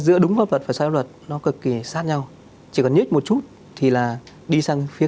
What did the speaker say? giữa đúng pháp luật phải xoay luật nó cực kỳ sát nhau chỉ cần nhất một chút thì là đi sang phía